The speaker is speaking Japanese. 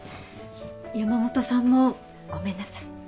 山本さんもごめんなさい。